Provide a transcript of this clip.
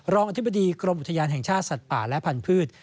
อธิบดีกรมอุทยานแห่งชาติสัตว์ป่าและพันธุ์